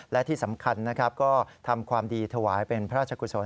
และที่สำคัญนะครับก็ทำความดีถวายเป็นพระราชกุศล